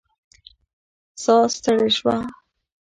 ساه ستړې شوې